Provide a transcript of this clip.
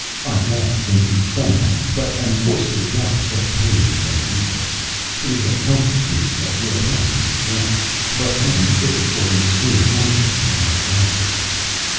I laugh indeed sometimes; but am forced to acknowledge that pain is an evil. It is a comfort to me that your highness is well; but I am fitter for an extreme unction than a baptism.